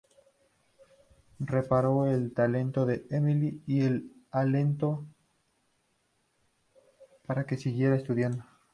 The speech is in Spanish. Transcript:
Reparó en el talento de Emily y le alentó para que siguiera estudiando.